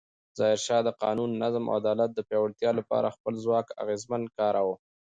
ظاهرشاه د قانون، نظم او عدالت د پیاوړتیا لپاره خپل ځواک اغېزمن کاراوه.